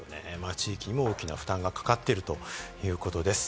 地域にも大きな負担がかかっているということです。